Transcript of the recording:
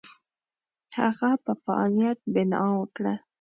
هغه په فعالیت بناء وکړه.